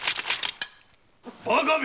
バカめ。